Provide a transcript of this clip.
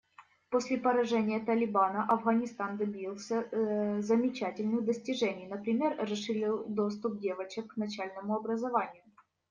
После поражения «Талибана» Афганистан добился замечательных достижений, например расширил доступ девочек к начальному образованию.